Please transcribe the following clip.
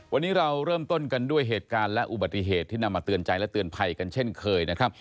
วันนี้เราเริ่มต้นกันด้วยเหตุการณ์และอุบัติเหตุที่นำมาเตือนใจและเตือนภัยกันเช่นเคยนะครับ